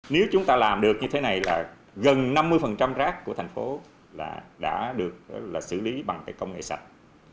nếu chúng ta làm được như thế này là gần năm mươi rác của thành phố đã được xử lý bằng công nghệ sạch